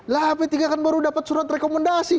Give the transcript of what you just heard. lah p tiga kan baru dapat surat rekomendasi